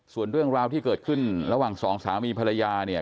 ส่วนเรื่องราวที่เกิดขึ้นระหว่างสองสามีภรรยาเนี่ย